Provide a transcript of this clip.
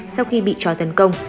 sau khi bị trói tấn công